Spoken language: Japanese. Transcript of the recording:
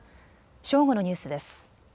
正午のニュースです。